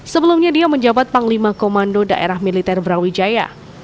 sebelumnya dia menjabat panglima komando daerah militer brawijaya